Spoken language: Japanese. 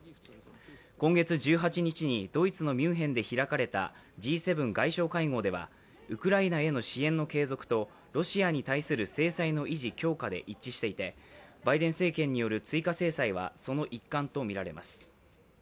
今月１８日にドイツのミュンヘンで開かれたＧ７外相会合ではウクライナへの支援の継続とロシアに対する制裁の維持・強化で一致していてバイデン政権による追加制裁はその一環とみられます。